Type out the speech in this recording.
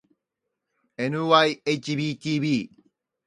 ｎｙｈｂｔｂ